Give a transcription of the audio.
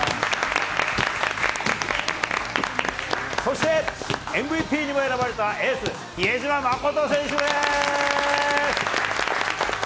そして、ＭＶＰにも選ばれたエース、比江島慎選手です。